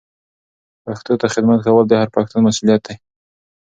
پښتو ته خدمت کول د هر پښتون مسولیت دی.